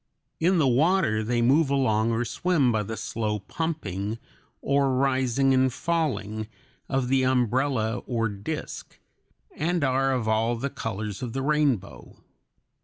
In the water they move along or swim by the slow pumping or rising and falling of the umbrella or disk, and are of all the colors of the rainbow.